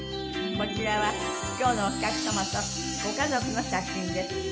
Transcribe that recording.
こちらは今日のお客様とご家族の写真です。